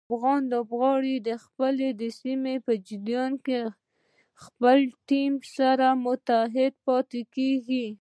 افغان لوبغاړي د خپلو سیالیو په جریان کې خپل ټیم سره متحد پاتې کېږي.